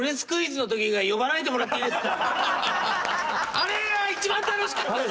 あれが一番楽しかったです。